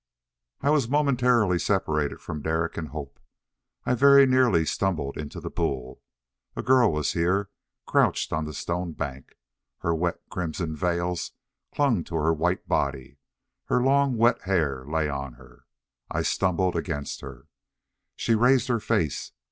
I was momentarily separated from Derek and Hope. I very nearly stumbled into the pool. A girl was here, crouched on the stone bank. Her wet crimson veils clung to her white body. Her long, wet hair lay on her. I stumbled against her. She raised her face.